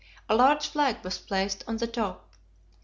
A large flag was placed on the top.